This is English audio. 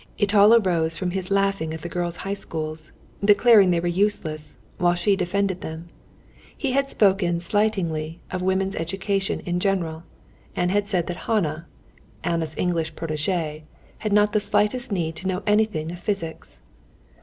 It all arose from his laughing at the girls' high schools, declaring they were useless, while she defended them. He had spoken slightingly of women's education in general, and had said that Hannah, Anna's English protégée, had not the slightest need to know anything of physics.